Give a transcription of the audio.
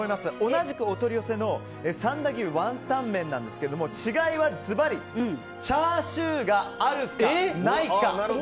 同じくお取り寄せの三田牛ワンタン麺なんですが違いはズバリチャーシューがあるかないか。